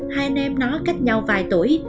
hai anh em nó cách nhau vài tuổi